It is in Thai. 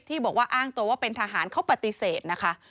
บอกว่าอ้างตัวว่าเป็นทหารเขาปฏิเสธนะคะ